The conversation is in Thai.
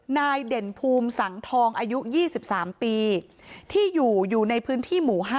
เด่นภูมิสังทองอายุ๒๓ปีที่อยู่อยู่ในพื้นที่หมู่๕